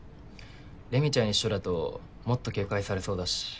レミちゃん一緒だともっと警戒されそうだし。